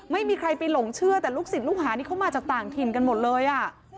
ไม่มีใครไปหลงเชื่อแต่ลูกศิษย์ลูกหานี่เขามาจากต่างถิ่นกันหมดเลยอ่ะ